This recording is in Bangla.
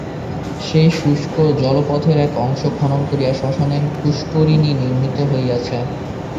সেই শুষ্ক জলপথের এক অংশ খনন করিয়া শ্মশানের পুষ্করিণী নির্মিত হইয়াছে।